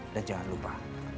dan jangan lupa